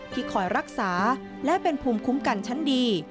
คอยรักษาและเป็นภูมิคุ้มกันชั้นดี